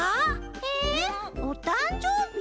えおたんじょうび？